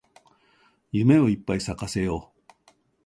夢をいっぱい咲かせよう